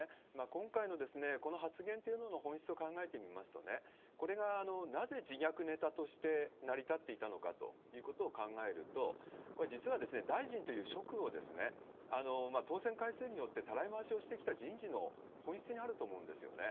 今回のこの発言というのの本質を考えてみますと、これがなぜ自虐ネタとして成り立っていたのかということを考えると、これ、実は大臣という職を当選回数によってたらい回しをしてきた人事の本質にあると思うんですよね。